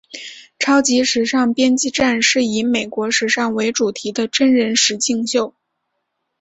超级时尚编辑战是以美国时尚为主题的真人实境秀。